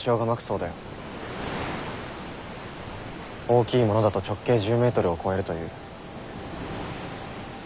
大きいものだと直径１０ｍを超えるという。